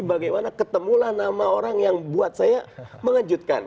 bagaimana ketemulah nama orang yang buat saya mengejutkan